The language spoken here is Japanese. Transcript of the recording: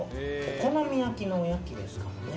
お好み焼きのおやきですからね。